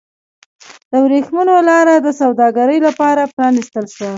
د ورېښمو لاره د سوداګرۍ لپاره پرانیستل شوه.